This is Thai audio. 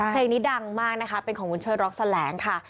เพลงนี้ดังมากนะคะเป็นของวุญเชิดร็อกแสลงค่ะ